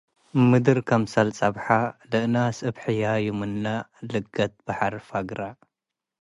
ምድር ክምሰል ጸብሐ ለእናስ እብ ሕያዩ ምንለ ልገት በሐር ፈግረ።